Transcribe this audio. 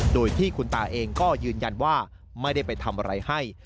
โดยที่คุณตาเองก็ยืนยันว่าไม่ได้ไปทำอะไรให้